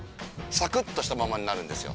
サクっとしたままになるんですよ。